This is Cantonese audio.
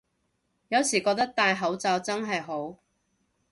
有時覺得戴口罩真係好